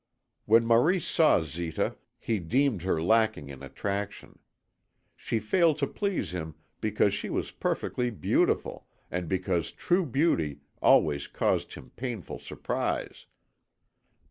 When Maurice saw Zita, he deemed her lacking in attraction. She failed to please him because she was perfectly beautiful and because true beauty always caused him painful surprise.